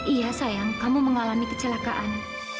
iya sayang kamu mengalami kecelakaan